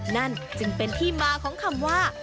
นั่นจึงเป็นที่มาของคำว่า